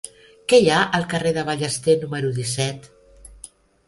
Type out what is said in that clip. Què hi ha al carrer de Ballester número disset?